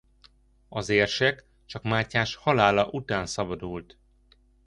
Az érsek csak Mátyás halála után szabadult.